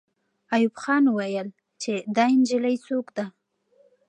ایوب خان وویل چې دا نجلۍ څوک ده.